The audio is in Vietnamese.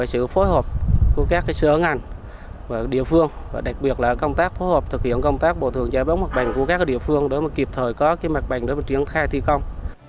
sự phối hợp của các sở ngành địa phương và đặc biệt là công tác phối hợp thực hiện công tác bồi thường giải bóng mặt bành của các địa phương để kịp thời có mặt bành để triển khai thi công